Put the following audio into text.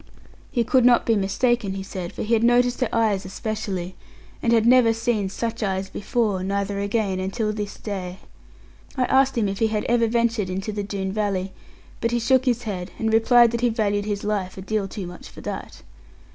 He could not be mistaken, he said, for he had noticed her eyes especially; and had never seen such eyes before, neither again, until this day. I asked him if he had ever ventured into the Doone valley; but he shook his head, and replied that he valued his life a deal too much for that.